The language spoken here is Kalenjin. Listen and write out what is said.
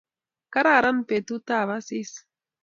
kararan petutap asis